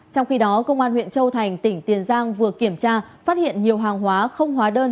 trong khi đó công an huyện châu thành tỉnh tiền giang vừa kiểm tra phát hiện nhiều hàng hóa không hóa đơn